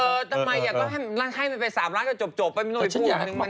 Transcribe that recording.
เออนี่อยากให้มันไป๓ล้านก็จบไปมีโน้ทอีกภูมินึงมันมาก